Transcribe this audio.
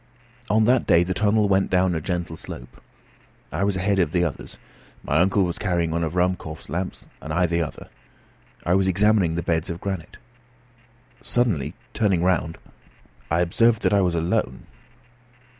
On that day the tunnel went down a gentle slope. I was ahead of the others. My uncle was carrying one of Ruhmkorff's lamps and I the other. I was examining the beds of granite. Suddenly turning round I observed that I was alone.